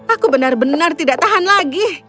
aku benar benar tidak tahan lagi